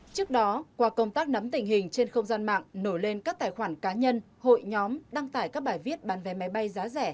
trước đó qua công tác nắm tình hình trên không gian mạng nổi lên các tài khoản cá nhân hội nhóm đăng tải các bài viết bán vé máy bay giá rẻ